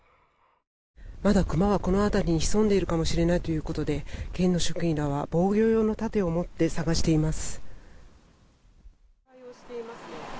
まだクマはこの辺りに潜んでいるかもしれないということで県の職員らは防御用の盾を持って探しています。